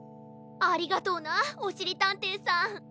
ありがとうなおしりたんていさん。